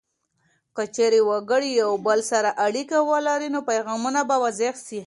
که چیرته وګړي یو بل سره اړیکه ولري، نو پیغامونه به واضح سي.